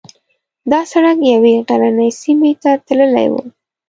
دا سړک یوې غرنۍ سیمې ته تللی و.